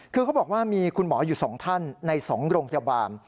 คือเขาบอกว่ามีคุณหมออยู่๒ท่านใน๒โรงพยาบาล